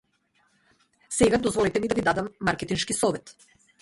Сега дозволете ми да ви дадам маркетиншки совет.